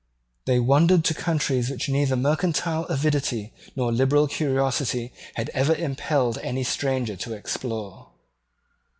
They wandered to countries which neither mercantile avidity nor liberal curiosity had ever impelled any stranger to explore.